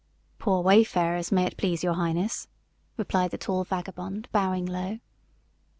"Poor wayfarers, may it please your highness," replied the tall vagabond, bowing low.